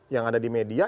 yang ada di media